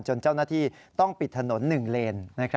เจ้าหน้าที่ต้องปิดถนน๑เลน